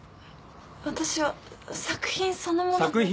私は作品そのもので